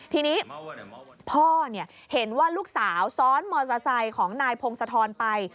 ทีนี้พ่อเห็นว่าลูกสาวซ้อนมอเตอร์ไซค์ของนายพงศธรไป